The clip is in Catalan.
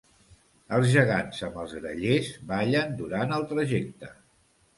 Els gegants amb els grallers ballen durant el trajecte.